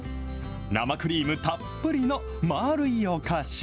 生クリームたっぷりの丸いお菓子。